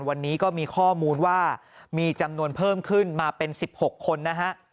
วันนี้ก็มีข้อมูลว่ามีจำนวนเพิ่มขึ้นมาเป็น๑๖คนนะฮะ